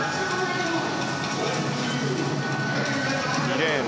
２レーン